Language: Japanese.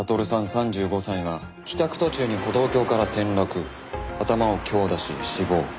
３５歳が帰宅途中に歩道橋から転落」「頭を強打し死亡」